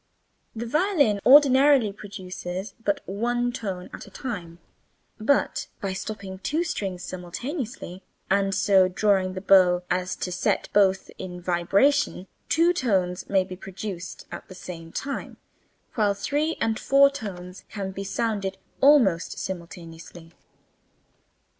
The violin ordinarily produces but one tone at a time, but by stopping two strings simultaneously and so drawing the bow as to set both in vibration, two tones may be produced at the same time, while three and four tones can be sounded almost simultaneously.